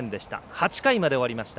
８回まで終わりました。